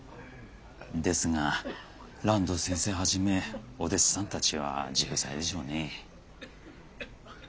ですが爛堂先生はじめお弟子さんたちは重罪でしょうね。